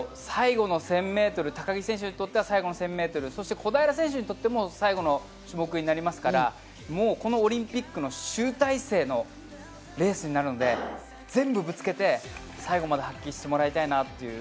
最後の１０００メートル、高木選手にとっては最後の１０００メートル、小平選手にとっても最後の種目になりますから、このオリンピックの集大成のレースになるので全部ぶつけて、最後まで発揮してもらいたいなって。